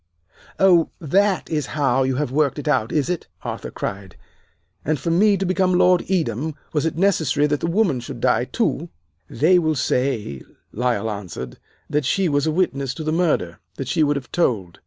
"'Oh, that is how you have worked it out, is it?' Arthur cried. 'And for me to become Lord Edam was it necessary that the woman should die, too!' "'They will say,' Lyle answered, 'that she was a witness to the murder that she would have told.